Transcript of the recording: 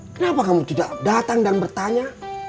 kenapa kamu tidak datang dan bertanya